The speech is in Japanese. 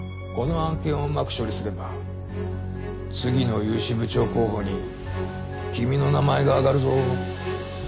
この案件をうまく処理すれば次の融資部長候補に君の名前があがるぞ。